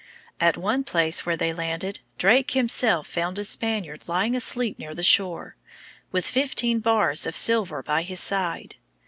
At one place where they landed Drake himself found a Spaniard lying asleep near the shore, with thirteen bars of silver by his side.